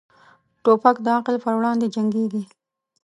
توپک د عقل پر وړاندې جنګيږي.